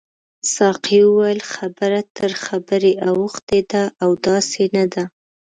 ساقي وویل خبره تر خبرې اوښتې ده او داسې نه ده.